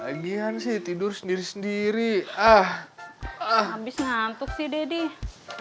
lagian sih tidur sendiri sendiri ah habis ngantuk sih deddy